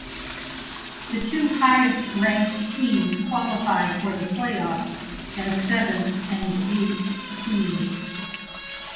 The two highest ranked teams qualify for the playoffs as seventh and eight seed.